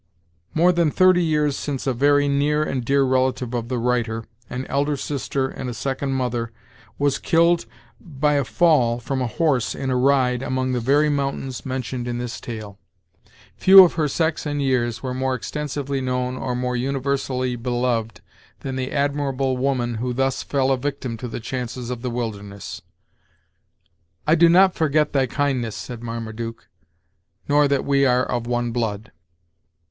More than thirty years since a very near and dear relative of the writer, an elder sister and a second mother, was killed by a fall from a horse in a ride among the very mountains mentioned in this tale. Few of her sex and years were more extensively known or more universally beloved than the admirable woman who thus fell a victim to the chances of the wilderness. "I do not forget thy kindness," said Marmaduke, "nor that we are of one blood."